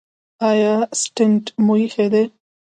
ایا سټنټ مو ایښی دی؟